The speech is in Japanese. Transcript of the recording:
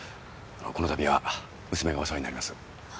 このたびは娘がお世話になります